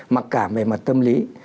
mặc cảm về mặt tâm lý